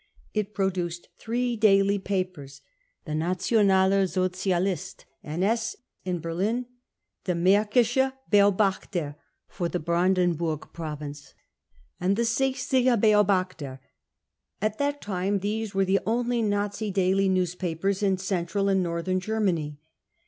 55 It produced three daily papers : the Nationaler ' Socialist (NS) in Berlin, the Markischer Beobachter for the Brandenburg province, and the Sdchsiger Beobachter . At that time these were the only Nazi daily newspapers in Central and North Germany.